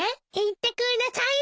いてください。